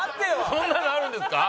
そんなのあるんですか？